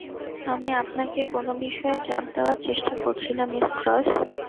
আমি আপনাকে কোনও বিষয়ে চাপ দেওয়ার চেষ্টা করছি না, মিস ক্রস।